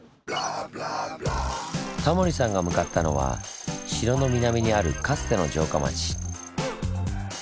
タモリさんが向かったのは城の南にあるかつての城下町。